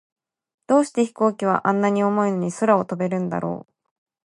どうして飛行機は、あんなに重いのに空を飛べるんだろう。